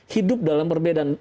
hidup dalam perbedaan